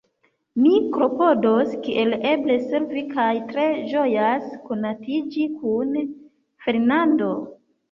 Mi klopodos kiel eble servi, kaj tre ĝojas konatiĝi kun Fernando.